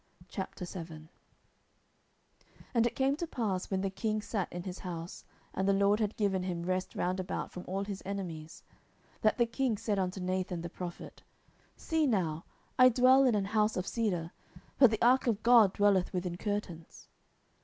10:007:001 And it came to pass, when the king sat in his house, and the LORD had given him rest round about from all his enemies; 10:007:002 That the king said unto Nathan the prophet, See now, I dwell in an house of cedar, but the ark of God dwelleth within curtains.